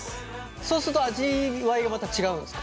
そうすると味わいがまた違うんですか？